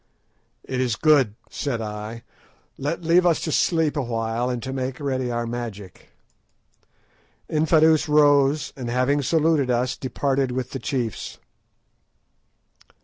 "It is good," said I. "Now leave us to sleep awhile and to make ready our magic." Infadoos rose, and, having saluted us, departed with the chiefs.